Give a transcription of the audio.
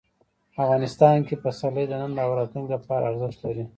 افغانستان کې پسرلی د نن او راتلونکي لپاره ارزښت لري.